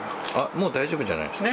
もう大丈夫じゃないですか。